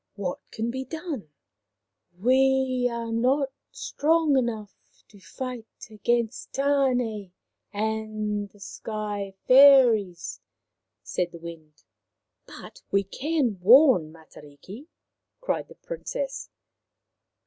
" What can be done ?"" We are not strong enough to fight against Tane and the Sky fairies," said the Wind. " But we can warn Matariki" cried the Prin cess.